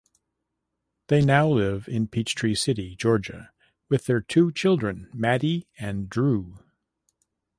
They now live in Peachtree City, Georgia, with their two children, Maddie and Drew.